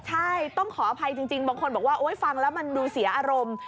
ใช่ต้องขออภัยจริงบางคนบอกว่าโอ๊ยฟังแล้วมันดูเสียอารมณ์